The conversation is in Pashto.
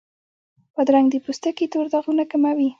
بادرنګ د پوستکي تور داغونه کموي.